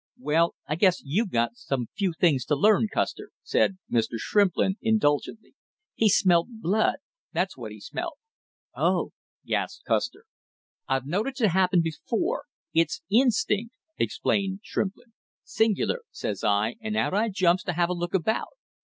"Well, I guess you've got some few things to learn, Custer;" said Mr. Shrimplin indulgently. "He smelt blood that's what he smelt!" "Oh!" gasped Custer. "I've knowed it to happen before. It's instinct," explained Shrimplin. "'Singular,' says I, and out I jumps to have a look about.